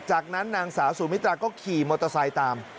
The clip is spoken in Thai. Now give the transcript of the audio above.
จากนั้นนางสาวสุมิตราก็ขี่มอเตอร์ไซค์ตาม